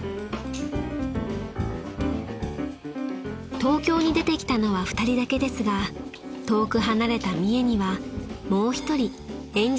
［東京に出てきたのは２人だけですが遠く離れた三重にはもう１人エンジニアの仲間がいます］